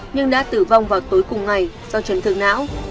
nhưng đã tử vong vào tối cùng ngày do trấn thức não